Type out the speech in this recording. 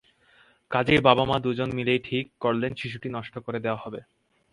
কাজেই বাবা-মা দু জন মিলেই ঠিক করলেন, শিশুটি নষ্ট করে দেওয়া হবে।